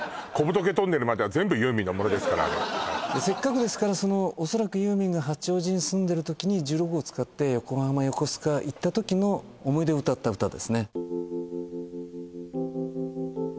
せっかくですからおそらくユーミンが八王子に住んでる時に１６号使って横浜横須賀行った時の思い出を歌った歌ですね